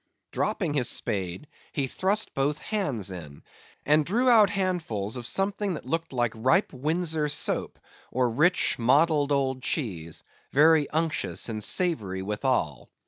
Dropping his spade, he thrust both hands in, and drew out handfuls of something that looked like ripe Windsor soap, or rich mottled old cheese; very unctuous and savory withal.